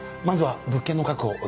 まずは物件の確保